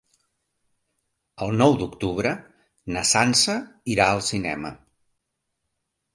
El nou d'octubre na Sança irà al cinema.